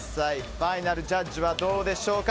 ファイナルジャッジはどうでしょうか。